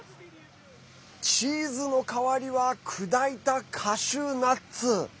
チーズの代わりは砕いたカシューナッツ。